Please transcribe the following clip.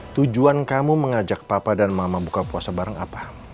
tujuanmu mengajak papa dan mama buka puasa bareng apa